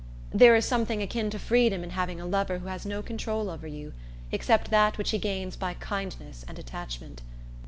There is something akin to freedom in having a lover who has no control over you, except that which he gains by kindness and attachment.